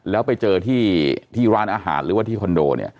แล้วไปเจอที่ร้านอาหารหรือว่าที่คอนโดเนี่ย